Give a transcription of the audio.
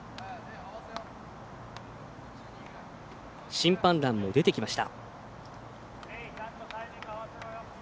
審判団も出てきました。